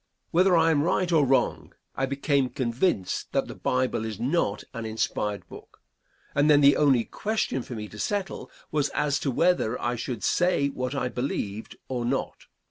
Whether I am right or wrong, I became convinced that the Bible is not an inspired book; and then the only question for me to settle was as to whether I should say what I believed or not.